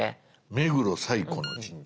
目黒最古の神社。